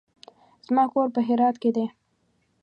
زما کور په هرات کې دی.